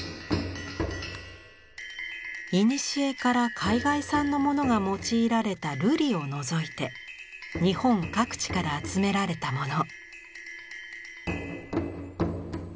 いにしえから海外産のものが用いられた瑠璃を除いて日本各地から集められたもの。